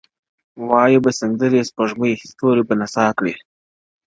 وایې به سندري سپوږمۍ ستوري به نڅا کوي,